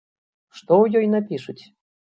Што ў ёй напішуць?